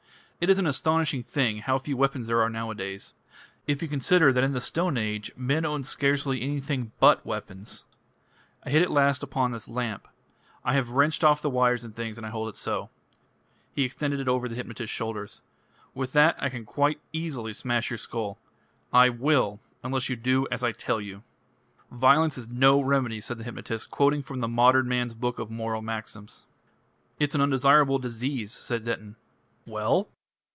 It is an astonishing thing how few weapons there are nowadays. If you consider that in the Stone Age men owned scarcely anything but weapons. I hit at last upon this lamp. I have wrenched off the wires and things, and I hold it so." He extended it over the hypnotist's shoulders. "With that I can quite easily smash your skull. I will unless you do as I tell you." "Violence is no remedy," said the hypnotist, quoting from the "Modern Man's Book of Moral Maxims." "It's an undesirable disease," said Denton. "Well?"